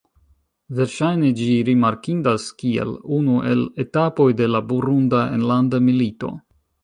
Verŝajne, ĝi rimarkindas kiel unu el etapoj de la Burunda enlanda milito.